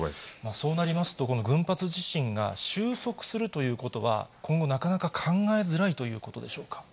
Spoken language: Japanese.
そうなりますと、この群発地震が収束するということは、今後、なかなか考えづらいということでしょうか。